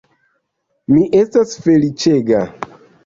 Mi estas feliĉega.